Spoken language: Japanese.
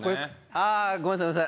あぁごめんなさい。